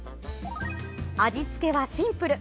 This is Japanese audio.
味つけはシンプル。